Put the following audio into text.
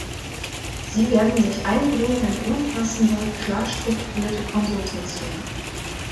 Sie werden sich einbringen in umfassende, klar strukturierte Konsultationen.